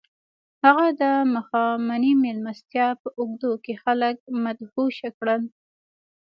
هغه د ماښامنۍ مېلمستیا په اوږدو کې خلک مدهوشه کړل